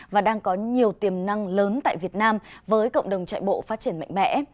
và đang có nhiều tiềm năng lớn tại việt nam với cộng đồng trại bộ phát triển mạnh mẽ